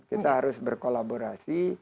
kita harus berkolaborasi